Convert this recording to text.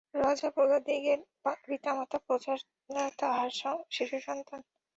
রাজা প্রজাদিগের পিতামাতা, প্রজারা তাঁহার শিশুসন্তান।